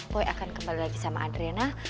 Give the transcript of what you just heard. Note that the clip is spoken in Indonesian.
boy akan kembali lagi sama adrena